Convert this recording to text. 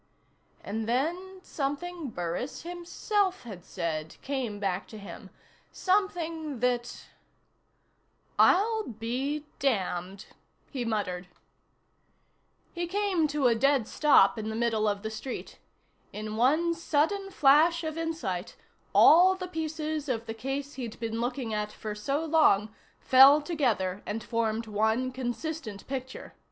And then something Burris himself had said came back to him, something that "I'll be damned," he muttered. He came to a dead stop in the middle of the street. In one sudden flash of insight, all the pieces of the case he'd been looking at for so long fell together and formed one consistent picture.